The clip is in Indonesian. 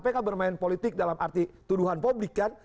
kpk bermain politik dalam arti tuduhan publik kan